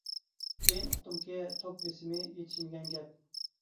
كېيىن ئۇقتۇمكى توك بېسىمى يېتىشمىگەن گەپ!